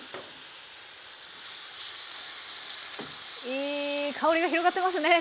いい香りが広がってますね